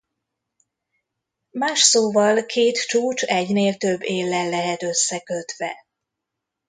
Más szóval két csúcs egynél több éllel lehet összekötve.